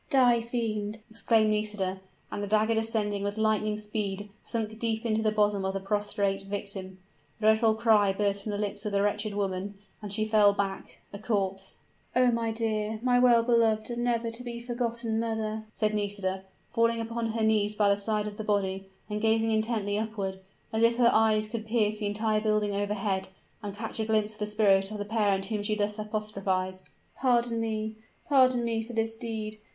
"Die, fiend!" exclaimed Nisida; and the dagger, descending with lightning speed, sunk deep into the bosom of the prostrate victim. A dreadful cry burst from the lips of the wretched woman; and she fell back a corpse! "Oh! my dear my well beloved and never to be forgotten mother!" said Nisida, falling upon her knees by the side of the body, and gazing intently upward as if her eyes could pierce the entire building overhead, and catch a glimpse of the spirit of the parent whom she thus apostrophized "pardon me pardon me for this deed!